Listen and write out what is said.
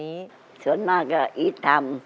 ตัวเลือกที่สอง๘คน